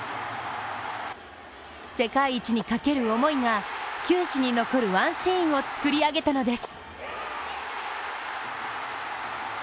世界一にかける思いが、球史に残るワンシーンを作り上げたのです。